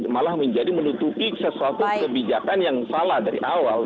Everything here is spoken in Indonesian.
malah menjadi menutupi sesuatu kebijakan yang salah dari awal